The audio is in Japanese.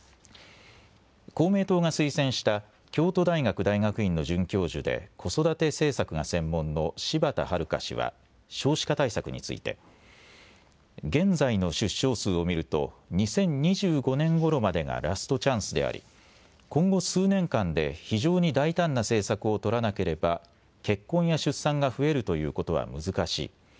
公明党が推薦した京都大学大学院の准教授で子育て政策が専門の柴田悠氏は少子化対策について、現在の出生数を見ると２０２５年ごろまでがラストチャンスであり今後、数年間で非常に大胆な政策を取らなければ結婚や出産が増えるということは難しい。